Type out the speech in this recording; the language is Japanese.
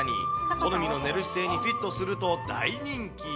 好みの寝る姿勢にフィットすると大人気。